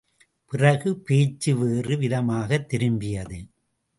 பிறகு பேச்சு வேறு விதமாகத் திரும்பியது.